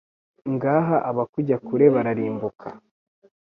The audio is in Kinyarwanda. Ngaha abakujya kure bararimbuka